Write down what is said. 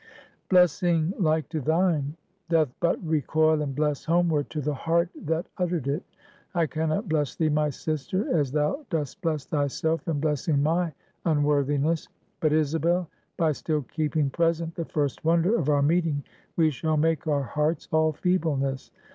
"Blessing like to thine, doth but recoil and bless homeward to the heart that uttered it. I can not bless thee, my sister, as thou dost bless thyself in blessing my unworthiness. But, Isabel, by still keeping present the first wonder of our meeting, we shall make our hearts all feebleness.